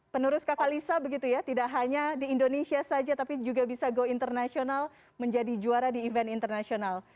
penurus kakak lisa begitu ya tidak hanya di indonesia saja tapi juga bisa go internasional menjadi juara di event internasional